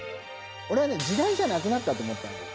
俺はね、時代じゃなくなったと思ったんだよ。